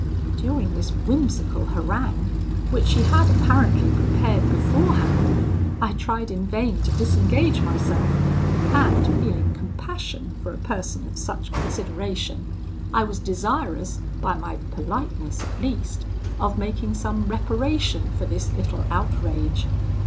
"During this whimsical harangue, which she had apparently prepared beforehand, I tried in vain to disengage myself, and feeling compassion for a person of such consideration, I was desirous, by my politeness at least, of making some reparation for this little outrage.